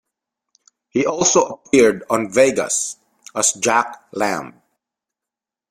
He also appeared on "Vegas" as Jack Lamb.